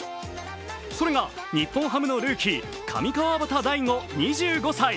それが日本ハムのルーキー、上川畑大悟、２５歳。